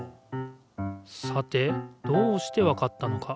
さてどうしてわかったのか？